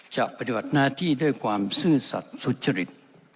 ปฏิบัติหน้าที่ด้วยความซื่อสัตว์สุจริต